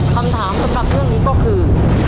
คำถามสำหรับเรื่องนี้ก็คือ